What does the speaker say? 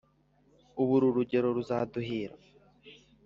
Ubu uru rugendo ruzaduhira